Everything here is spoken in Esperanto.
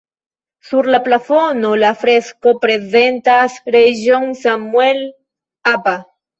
Sur la plafono la fresko prezentas reĝon Samuel Aba.